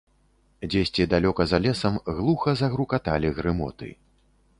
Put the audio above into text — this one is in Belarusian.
Дзесьці далёка за лесам глуха загрукаталі грымоты.